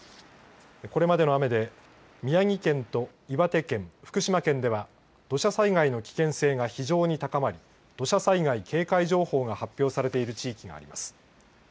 これまでの雨で宮城県と岩手県、福島県では土砂災害の危険性が非常に高まり土砂災害警戒情報が発表されている地域があります。